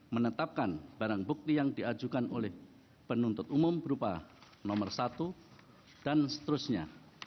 menetapkan barang bukti yang diajukan oleh penuntut umum berupa nomor satu dan seterusnya